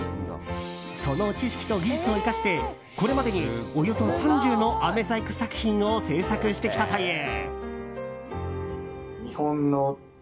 その知識と技術を生かしてこれまでに、およそ３０のあめ細工作品を制作してきたという。